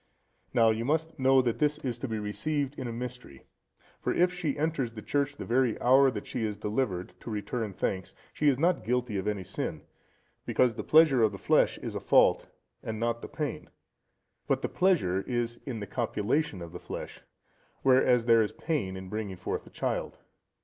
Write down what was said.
Now you must know that this is to be received in a mystery; for if she enters the church the very hour that she is delivered, to return thanks, she is not guilty of any sin; because the pleasure of the flesh is a fault, and not the pain; but the pleasure is in the copulation of the flesh, whereas there is pain in bringing forth the child.